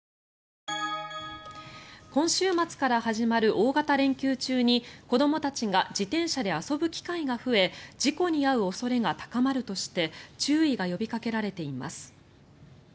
今週末から始まる大型連休中に子どもたちが自転車で遊ぶ機会が増え事故に遭う恐れが高まるとして注意が呼びかけられています。